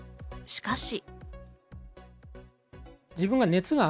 しかし。